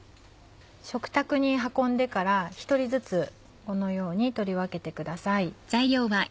食卓に運んでから１人ずつこのように取り分けてください。